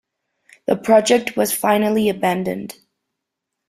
The project was finally abandoned.